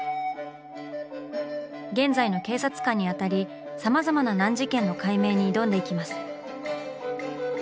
現在の警察官にあたりさまざまな難事件の解明に挑んでいきます。